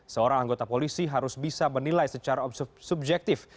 seorang anggota polisi harus bisa menilai secara subjektif